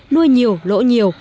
nuôi nhiều lỗ nhiều